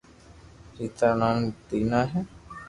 ڇٽا رو نوم تينا ھي